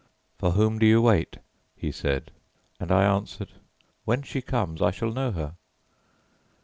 "For whom do you wait?" he said, and I answered, "When she comes I shall know her."